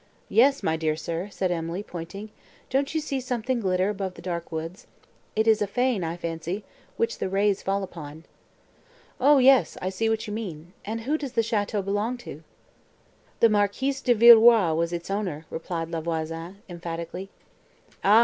"Yes, my dear sir," said Emily, pointing, "don't you see something glitter above the dark woods? It is a fane, I fancy, which the rays fall upon." "O yes, I see what you mean; and who does the château belong to?" "The Marquis de Villeroi was its owner," replied La Voisin, emphatically. "Ah!"